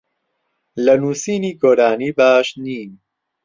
لە نووسینی گۆرانی باش نیم.